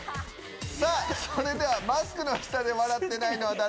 さぁそれでは「マスクの下で笑ってないのは誰？」